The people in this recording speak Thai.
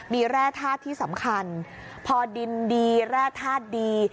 มีแร่ธาตุที่สำคัญพอดินดีแร่ธาตุดี